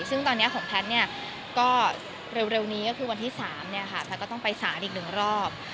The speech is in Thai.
ซึ่งตอนนี้ของแพทย์เนี่ยก็เร็วนี้ก็คือวันที่สามเนี่ยค่ะแพทย์ก็ต้องไปสารอีกหนึ่งรอบ